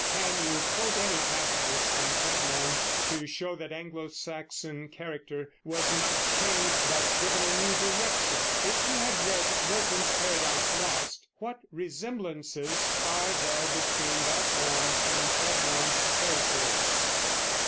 Can you quote any passages from Cædmon to show that Anglo Saxon character was not changed but given a new direction? If you have read Milton's Paradise Lost, what resemblances are there between that poem and Cædmon's _Paraphrase?